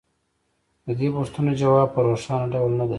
د دې پوښتنو ځواب په روښانه ډول نه دی